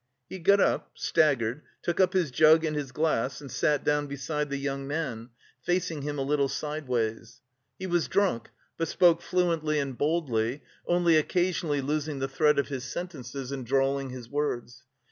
He got up, staggered, took up his jug and glass, and sat down beside the young man, facing him a little sideways. He was drunk, but spoke fluently and boldly, only occasionally losing the thread of his sentences and drawling his words.